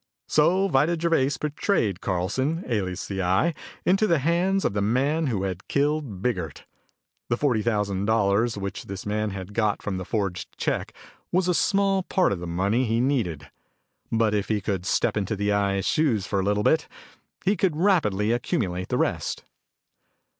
"So Vida Gervais betrayed Carlson, alias the Eye, into the hands of the man who had killed Biggert. The forty thousand dollars which this man had got from the forged check was a small part of the money he needed. But if he could step into the Eye's shoes for a little while, he could rapidly accumulate the rest.